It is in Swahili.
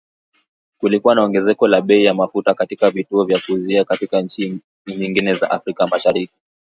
Kulikuwa na ongezeko la bei ya mafuta katika vituo vya kuuzia katika nchi nyingine za Afrika Mashariki